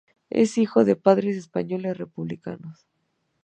Es hijo de padres españoles republicanos.